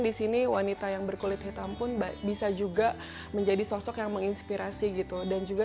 di sini wanita yang berkulit hitam pun bisa juga menjadi sosok yang menginspirasi gitu dan juga